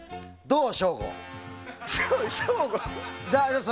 どう？